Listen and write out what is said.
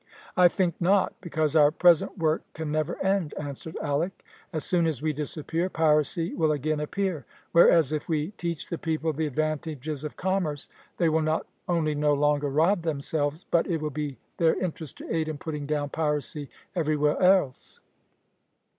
"I think not, because our present work can never end," answered Alick. "As soon as we disappear, piracy will again appear; whereas if we teach the people the advantages of commerce, they will not only no longer rob themselves, but it will be their interest to aid in putting down piracy everywhere else."